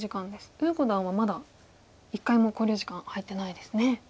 呉五段はまだ１回も考慮時間入ってないですね。